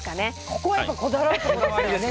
ここはこだわって。